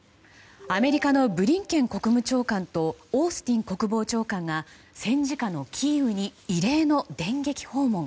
アメリカのブリンケン国務長官とオースティン国防長官が戦時下のキーウに異例の電撃訪問。